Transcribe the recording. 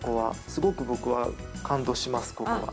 すごく僕は感動します、ここは。